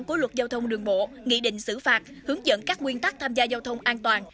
của luật giao thông đường bộ nghị định xử phạt hướng dẫn các nguyên tắc tham gia giao thông an toàn